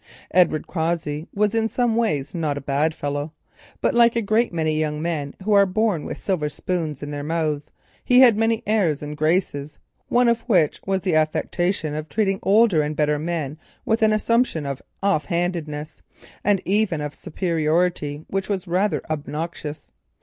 Edward Cossey was in some ways not a bad fellow, but like a great many young men who are born with silver spoons in their mouths, he had many airs and graces, one of which was the affectation of treating older and better men with an assumption of off handedness and even of superiority that was rather obnoxious.